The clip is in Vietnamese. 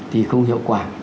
thì không hiệu quả